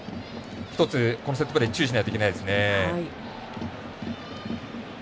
このセットプレー注意しないといけないですね。